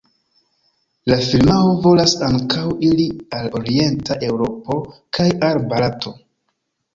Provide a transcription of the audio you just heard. La firmao volas ankaŭ iri al orienta Eŭropo kaj al Barato.